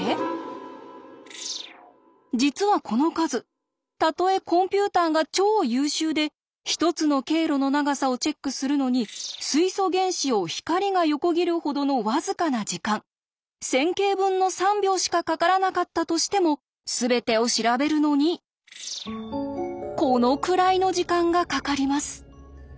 実はこの数たとえコンピューターが超優秀で１つの経路の長さをチェックするのに水素原子を光が横切るほどの僅かな時間１０００京分の３秒しかかからなかったとしてもすべてを調べるのにこのくらいの時間がかかります。